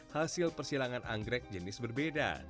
hasil persilangan anggrek jenis berbeda